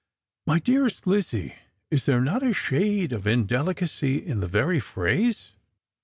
" My dearest Lizzie, is there not a shade of indelicacy in the very ph rase